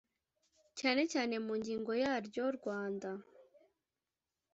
cyane cyane mu ngingo yaryo Rwanda